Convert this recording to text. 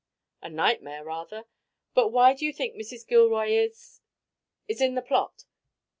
"A nightmare rather. But why do you think Mrs. Gilroy is " "Is in the plot.